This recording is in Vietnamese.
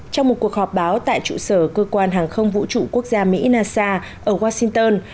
trong một cuộc họp báo tại trụ sở cơ quan hàng không vũ trụ quốc gia mỹ nasa ở washington